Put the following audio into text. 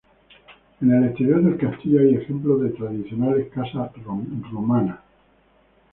En el exterior del castillo hay ejemplos de tradicionales casas rumanas.